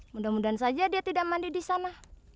mudah mudahan saja dia tidak mandi di sana